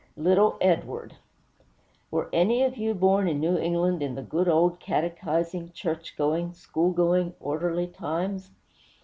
LITTLE EDWARD Were any of you born in New England, in the good old catechising, church going, school going, orderly times?